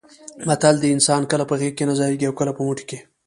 متل دی: انسان کله په غېږه کې نه ځایېږي اوکله په موټي کې.